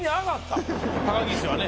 高岸はね